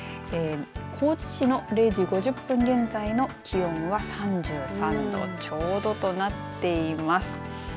高知市の０時５０分現在の気温は３３度ちょうどとなっています。